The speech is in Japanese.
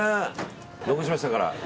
残しましたから。